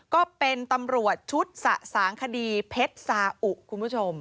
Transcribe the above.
ก็เป็นตำรวจชุดสะสางคดีเพชรสาอุคุณผู้ชม